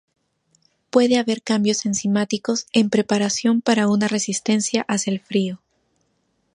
Puede haber cambios enzimáticos en preparación para una resistencia hacia el frío.